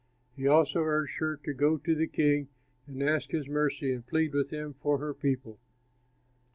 He also urged her to go to the king and ask his mercy and plead with him for her people.